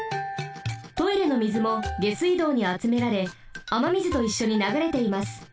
トイレの水も下水道にあつめられあま水といっしょにながれています。